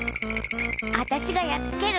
あたしがやっつける。